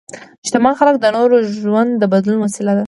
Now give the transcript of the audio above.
شتمن خلک د نورو ژوند د بدلون وسیله وي.